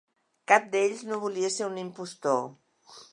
Cap d'ells no volia ser un impostor.